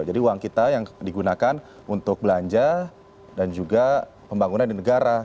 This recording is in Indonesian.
jadi uang kita yang digunakan untuk belanja dan juga pembangunan di negara